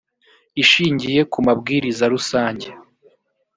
ishingiye ku mabwiriza rusange